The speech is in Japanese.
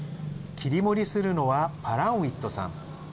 切り盛りするのはパランウィットさん。